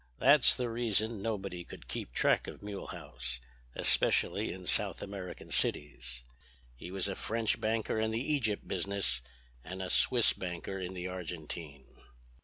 That's the reason nobody could keep track of Mulehaus, especially in South American cities. He was a French banker in the Egypt business and a Swiss banker in the Argentine."